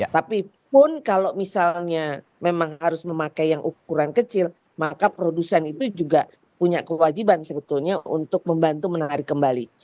tapi pun kalau misalnya memang harus memakai yang ukuran kecil maka produsen itu juga punya kewajiban sebetulnya untuk membantu menarik kembali